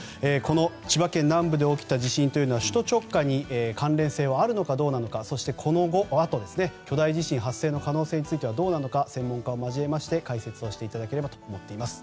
千葉県南部で起きた地震は首都直下に関連性はあるのかどうかそして、この後巨大地震発生の可能性はあるのか専門家を交えまして解説をしていただければと思っています。